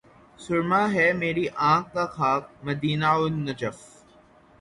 سرمہ ہے میری آنکھ کا خاک مدینہ و نجف